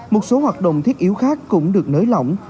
một số hoạt động thiết yếu khác cũng được nới lỏng